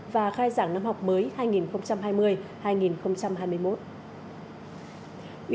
và khai giảng năm học mới hai nghìn hai mươi hai nghìn hai mươi một